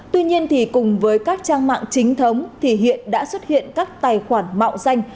tuy nhiên cùng với các trang mạng chính thống hiện đã xuất hiện các tài khoản mạo danh